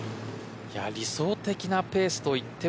理想的なペースといっても